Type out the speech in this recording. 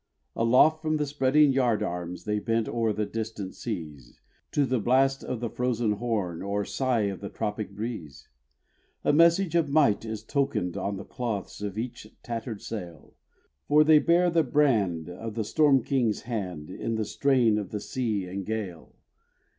Aloft from the spreading yard arms, They bent o'er the distant seas, To the blast of the frozen Horn Or sigh of the tropic breeze. A message of might is tokened On the cloths of each tattered sail, For they bear the brand of the Storm King's hand In the strain of the sea and gale.